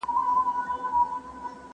د ملي یووالي ټینګښت زموږ د ټولو مسؤلیت دی.